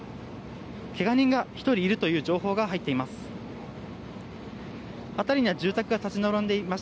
怪我人が１人いるという情報が入っています。